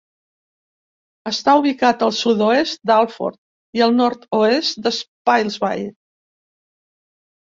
Està ubicat al sud-oest d'Alford i al nord-oest de Spilsby.